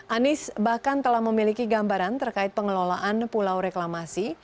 anies bahkan telah memiliki gambaran terkait pengelolaan pulau reklamasi